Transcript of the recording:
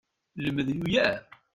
Lmed ugar.